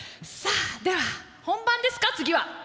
さあでは本番ですか次は。